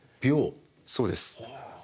そうです。